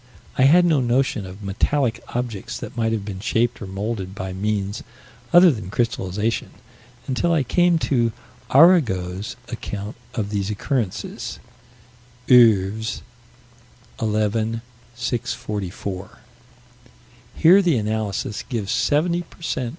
I had no notion of metallic objects that might have been shaped or molded by means other than crystallization, until I came to Arago's account of these occurrences (OEuvres, 11 644). Here the analysis gives 70 per cent.